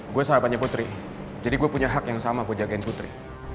gue sahabatnya putri jadi gue punya hak yang sama gue jagain putri